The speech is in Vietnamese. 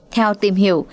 theo tìm hiểu